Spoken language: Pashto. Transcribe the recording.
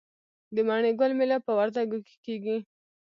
د مڼې ګل میله په وردګو کې کیږي.